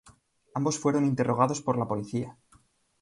Ambos fueron interrogados por la policía.